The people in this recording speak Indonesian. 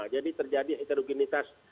jadi terjadi heterogenitas